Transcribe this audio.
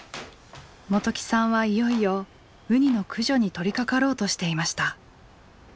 元起さんはいよいよウニの駆除に取りかかろうとしていました。